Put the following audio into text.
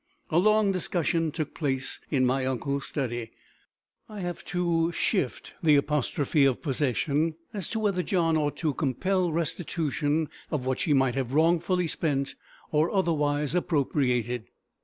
A long discussion took place in my uncles' study I have to shift the apostrophe of possession as to whether John ought to compel restitution of what she might have wrongfully spent or otherwise appropriated.